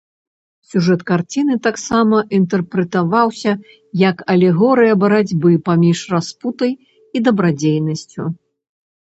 Сюжэт карціны таксама інтэрпрэтаваўся, як алегорыя барацьбы паміж распустай і дабрадзейнасцю.